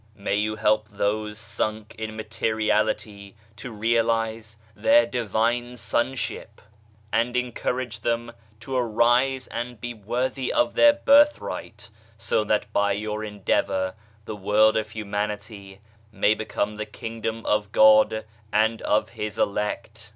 May you help those sunk in materiality to realize 92 A BETTER WORLD their Divine Son ship, and encourage them to arise and be worthy of their birthright ; so that by your endeavour the world of humanity may become the Kingdom of God and of His elect.